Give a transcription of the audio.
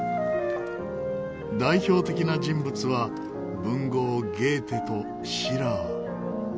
代表的な人物は文豪ゲーテとシラー。